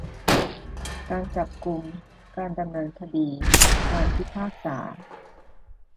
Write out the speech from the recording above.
การจับกุม การดำเนินคดี การพิพากษา